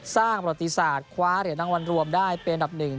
ประติศาสตร์คว้าเหรียญรางวัลรวมได้เป็นอันดับหนึ่ง